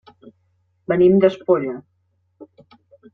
Venim d'Espolla.